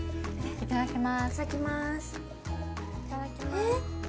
いただきます。